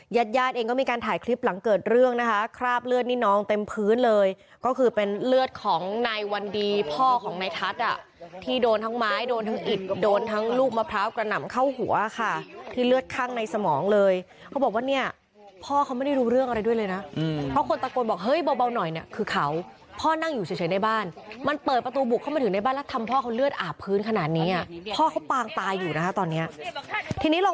ยาดยาดเองก็มีการถ่ายคลิปหลังเกิดเรื่องนะคะคราบเลือดนี่น้องเต็มพื้นเลยก็คือเป็นเลือดของนายวันดีพ่อของนายทัศน์อ่ะที่โดนทั้งไม้โดนทั้งอิดโดนทั้งลูกมะพร้าวกระหน่ำเข้าหัวค่ะที่เลือดคั่งในสมองเลยเขาบอกว่าเนี่ยพ่อเขาไม่ได้รู้เรื่องอะไรด้วยเลยนะอืมเพราะคนตะโกนบอกเฮ้ยเบาหน่อยเนี่ยคือเขาพ่อน